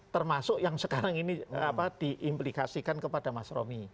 termasuk yang sekarang ini diimplikasikan kepada mas romi